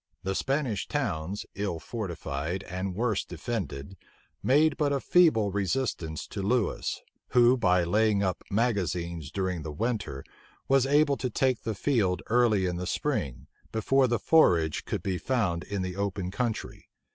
The Spanish towns, ill fortified and worse defended, made but a feeble resistance to Lewis; who, by laying up magazines during the winter, was able to take the field early in the spring, before the forage could be found in the open country.